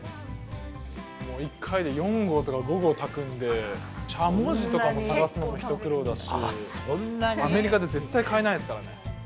もう１回で４合とか５合炊くんで、しゃもじとかも探すのが一苦労だし、アメリカで絶対買えないですからね。